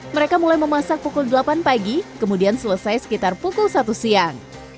mereka mulai memasak pukul delapan pagi kemudian selesai sekitar pukul satu siang